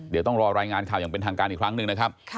เดี๋ยวต้องรอรายงานข่าวอย่างเป็นทางการอีกครั้งหนึ่งนะครับ